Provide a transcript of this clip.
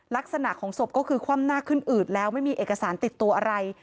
ลักษณะของศพก็คือคว่ำหน้าขึ้นอืดแล้วไม่มีเอกสารติดตัวอะไร